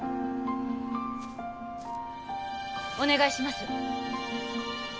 お願いします。